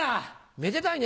めでたいね。